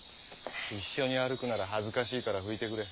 一緒に歩くなら恥ずかしいから拭いてくれ。